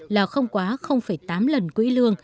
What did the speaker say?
là không quá tám lần quỹ lương